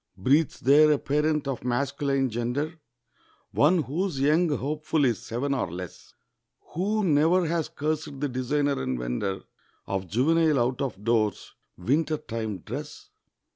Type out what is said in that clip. Breathes there a parent of masculine gender, One whose young hopeful is seven or less, Who never has cursed the designer and vender Of juvenile out of doors winter time dress?